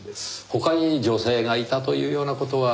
他に女性がいたというような事は？